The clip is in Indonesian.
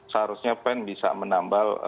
seharusnya pen bisa menambal